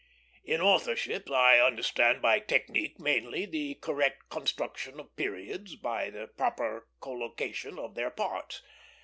In authorship I understand by technique mainly the correct construction of periods, by the proper collocation of their parts.